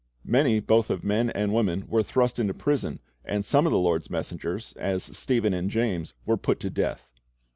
"' Many both of men and women were thrust into prison, and some of the Lord's messengers, as Stephen and James, were put to death.